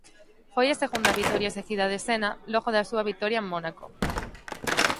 Foi a segunda vitoria seguida de Senna logo da súa vitoria en Mónaco.